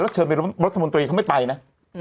แล้วเชิญไปรัฐบาลมนตรีเขาไม่ไปนะ